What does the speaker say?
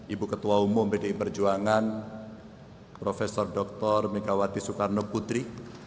ibu ketua umum pdi perjuangan prof dr megawati soekarno putri